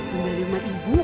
punya rumah ibu